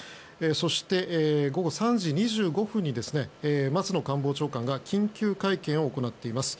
そして、午後３時２５分に松野官房長官が緊急会見を行っています。